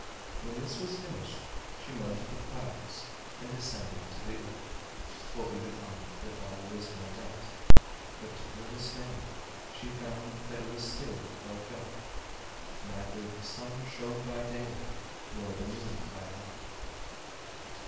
When this was finished she mounted the clouds and descended to the earth, hoping to find that all was now right, but to her dismay she found that it was still quite dark. Neither the sun shone by day nor the moon by night.